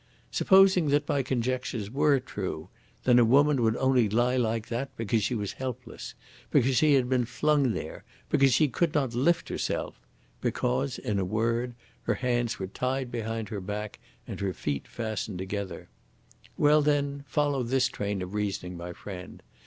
Supposing that my conjectures were true, then a woman would only lie like that because she was helpless, because she had been flung there, because she could not lift herself because, in a word, her hands were tied behind her back and her feet fastened together. Well, then, follow this train of reasoning, my friend!